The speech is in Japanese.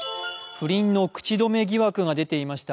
不倫の口止め疑惑が出ていました